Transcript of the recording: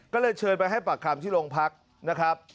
ก็เลยเชิญไปให้ปากคำที่โรงพักนะครับ